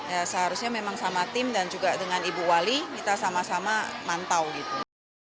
ya seharusnya memang sama tim dan juga dengan ibu wali kita sama sama mantau gitu